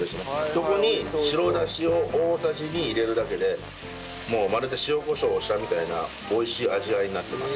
そこに白だしを大さじ２入れるだけでもうまるで塩コショウをしたみたいな美味しい味わいになってます。